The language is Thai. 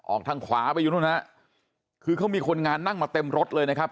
ทางขวาไปอยู่นู่นฮะคือเขามีคนงานนั่งมาเต็มรถเลยนะครับ